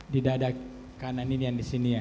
di dada kanan ini yang di sini ya